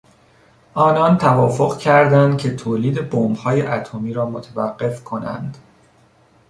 آنان توافق کردند که تولید بمبهای اتمی را متوقف کنند.